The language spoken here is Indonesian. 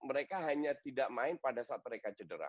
mereka hanya tidak main pada saat mereka cedera